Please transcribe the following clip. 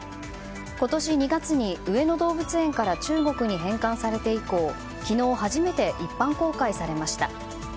今年２月に上野動物園から中国に返還されて以降昨日、初めて一般公開されました。